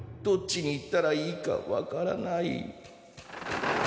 どっちに行ったらいいか分からない。